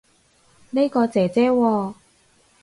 呢個姐姐喎